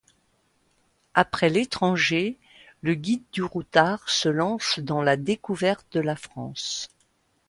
Après l'étranger, le Guide du routard se lance dans la découverte de la France.